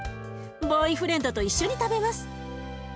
ボーイフレンドと一緒に食べます。